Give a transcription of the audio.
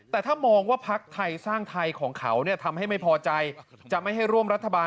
แต่ถ้ามองว่าพักไทยสร้างไทยของเขาทำให้ไม่พอใจจะไม่ให้ร่วมรัฐบาล